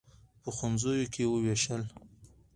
په ښوونځیو کې ووېشل.